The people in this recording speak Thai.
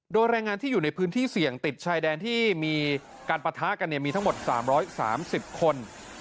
โดยแรงงานที่อยู่ในพื้นที่เสี่ยงติดชายแดนที่มีการปะทะกันมีทั้งหมด๓๓๐คน